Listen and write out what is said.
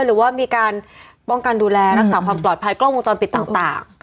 หรือว่ามีการป้องกันดูแลรักษาความปลอดภัยกล้องวงจรปิดต่าง